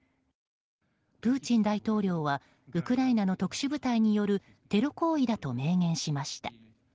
プーチン大統領はウクライナの特殊部隊によるテロ行為だと明言しました。